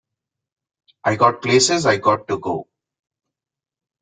I got places I got to go.